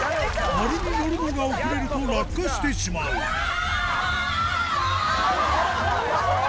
「○」に乗るのが遅れると落下してしまううわぁ！